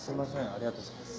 ありがとうございます。